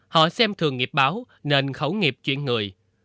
họ xem thường nghiệp báo nên khẩu nghiệp chuyện người